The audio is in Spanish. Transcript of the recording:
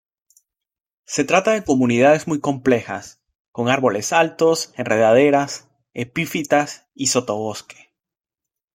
Se trata de comunidades muy complejas, con árboles altos, enredaderas, epífitas y sotobosque.